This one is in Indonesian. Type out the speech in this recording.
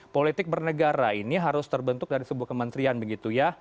politik bernegara ini harus terbentuk dari sebuah kementerian begitu ya